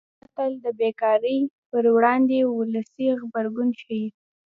دا متل د بې کارۍ پر وړاندې ولسي غبرګون ښيي